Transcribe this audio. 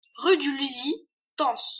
Rue de Luzy, Tence